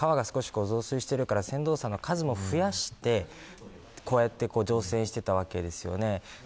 川が少し増水しているから船頭さんの数も増やして乗船していたわけですよね。